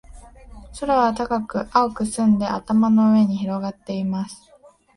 空は高く、青く澄んで、頭の上に広がっています。